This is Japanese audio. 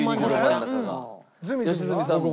良純さんも。